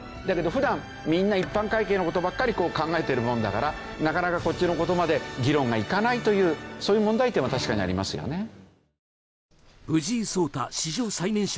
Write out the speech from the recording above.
だけど普段みんな一般会計の事ばっかりこう考えてるもんだからなかなかこっちの事まで議論がいかないというそういう問題点は確かにありますよね。